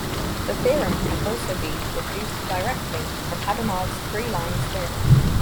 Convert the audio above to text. The theorem can also be deduced directly from Hadamard's three-lines theorem.